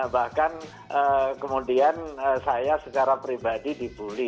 bahkan kemudian saya secara pribadi dibully